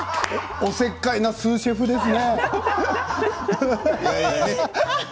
おせっかいなスーシェフですね。